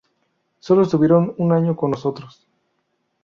Solo estuvieron un año con nosotros.